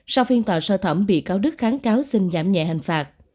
sau phiên tòa sơ thẩm bị cáo đức kháng cáo xin giảm nhẹ hình phạt